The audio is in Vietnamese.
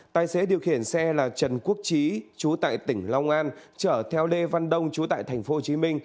tài xế điều khiển xe là trần quốc trí chú tại tỉnh long an chở theo lê văn đông chú tại tp hcm